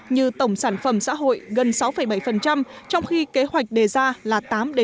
như tổng sản phẩm xã hội gần sáu bảy trong khi kế hoạch đề ra là tám chín